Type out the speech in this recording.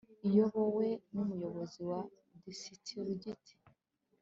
iyobowe n umuyobozi wa disitirigiti